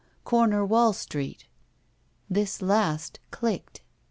Comer Wall Street." This last clicked.